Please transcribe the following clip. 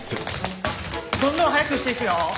どんどん速くしていくよ。